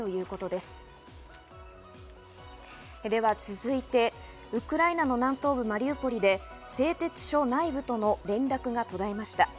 では続いて、ウクライナの南東部マリウポリで製鉄所内部との連絡が途絶えました。